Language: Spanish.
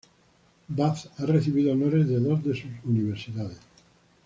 Bath ha recibido honores de dos de sus universidades.